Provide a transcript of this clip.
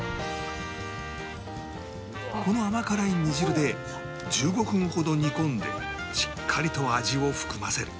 この甘辛い煮汁で１５分ほど煮込んでしっかりと味を含ませる